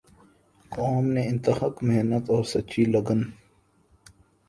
قوم نے انتھک محنت اور سچی لگن